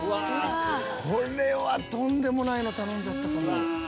これはとんでもないの頼んじゃったかも。